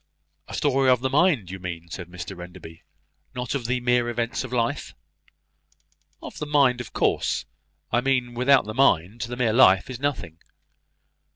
"A story of the mind, you mean," said Mr Enderby, "not of the mere events of life?" "Of the mind, of course, I mean. Without the mind the mere life is nothing."